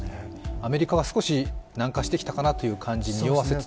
アメリカが少し軟化してきたかなということをにおわせつつ。